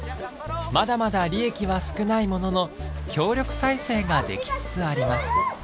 まだまだ利益は少ないものの協力体制ができつつあります。